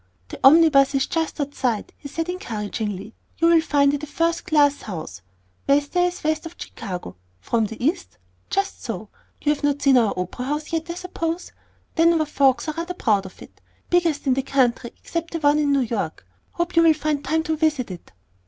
"The omnibus is just outside," he said encouragingly. "You'll find it a first class house, best there is west of Chicago. From the East? Just so. You've not seen our opera house yet, I suppose. Denver folks are rather proud of it. Biggest in the country except the new one in New York. Hope you'll find time to visit it."